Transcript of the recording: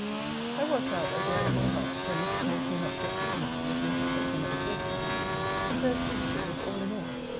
I was, however, glad at my heart that Mrs. Moore came up so seasonably with notice that dinner was ready. The fair fugitive was all in all.